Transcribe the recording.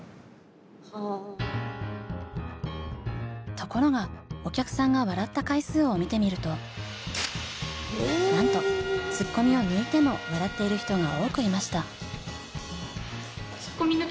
ところがお客さんが笑った回数を見てみるとなんとツッコミを抜いても笑っている人が多くいました。